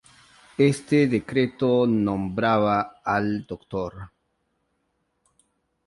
Este decreto nombraba al Dr.